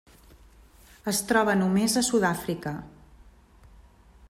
Es troba només a Sud-àfrica.